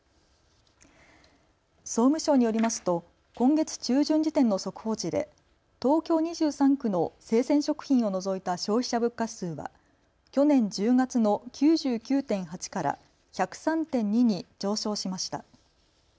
総務省によりますと今月中旬時点の速報値で東京２３区の生鮮食品を除いた消費者物価指数は去年１０月の９９．８から１０３．２に上昇しました。